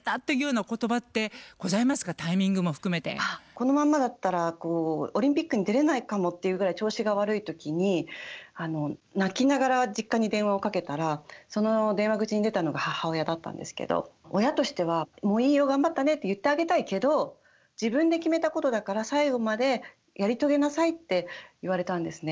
このまんまだったらオリンピックに出れないかもっていうぐらい調子が悪い時に泣きながら実家に電話をかけたらその電話口に出たのが母親だったんですけど「親としてはもういいよ頑張ったねって言ってあげたいけど自分で決めたことだから最後までやり遂げなさい」って言われたんですね。